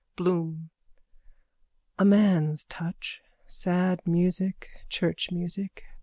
_ BLOOM: A man's touch. Sad music. Church music.